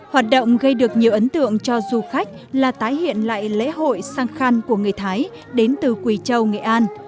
hoạt động gây được nhiều ấn tượng cho du khách là tái hiện lại lễ hội sang khăn của người thái đến từ quỳ châu nghệ an